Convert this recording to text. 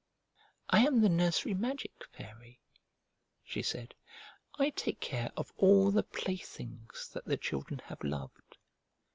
"I am the nursery magic Fairy," she said. "I take care of all the playthings that the children have loved.